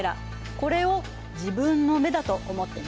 これを自分の目だと思ってね。